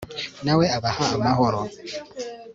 na we abaha amahoro